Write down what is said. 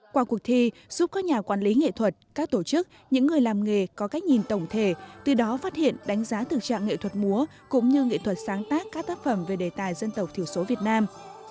qua cuộc thi giúp các nhà quản lý nghệ thuật các tổ chức những người làm nghề có cách nhìn tổng thể từ đó phát hiện đánh giá thực trạng nghệ thuật múa cũng như nghệ thuật sáng tác các tác phẩm về đề tài dân tộc thiểu số việt nam